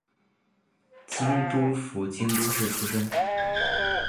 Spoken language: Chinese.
京都府京都市出身。